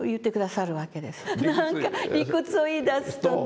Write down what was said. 何か理屈を言いだすとね。